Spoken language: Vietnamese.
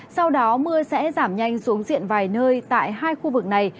sau đó mưa sẽ giảm nhanh xuống diện vài nơi tại hai khu vực này